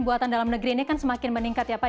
buatan dalam negeri ini kan semakin meningkat ya pak